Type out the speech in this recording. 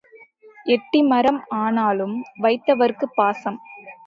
எட்டி மரம் ஆனாலும் வைத்தவர்க்குப் பாசம்.